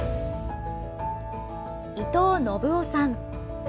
伊藤信男さん。